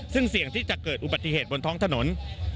ซึ่งเสี่ยงที่จะเกิดอุบัติเหตุบนท้องถนน